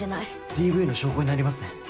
ＤＶの証拠になりますね。